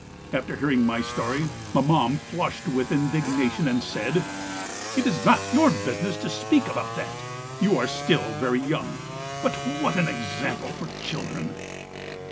... After hearing my story maman flushed with indignation and said: "'It is not your business to speak about that, you are still very young. ... But, what an example for children.'